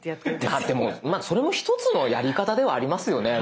ああでもまあそれも１つのやり方ではありますよね。